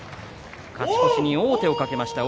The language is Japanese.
勝ち越しに王手をかけました